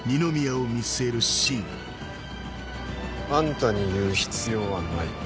あんたに言う必要はない。